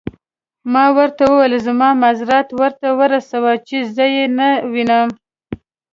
ما ورته وویل: زما معذرت ورته ورسوئ، چې زه يې نه وینم.